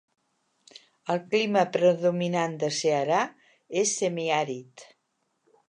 El clima predominant de Ceará és semiàrid.